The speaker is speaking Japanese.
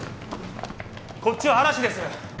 こっちは嵐です！